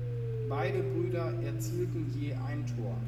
Beide Brüder erzielten je ein Tor.